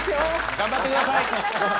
頑張ってください！